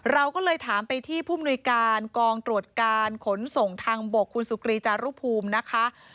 เราก็เลยถามไปที่ผู้มนุยการกองตรวจการขนส่งทางบกคุณสุกรีจารุภูมินะคะ